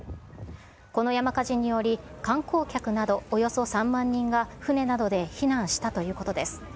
この山火事により、観光客などおよそ３万人が船などで避難したということです。